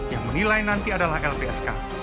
yang menilai nanti adalah lpsk